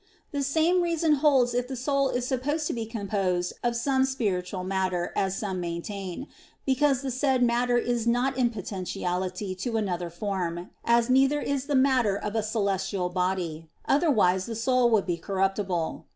The same reason holds if the soul is supposed to be composed of some spiritual matter, as some maintain; because the said matter is not in potentiality to another form, as neither is the matter of a celestial body; otherwise the soul would be corruptible.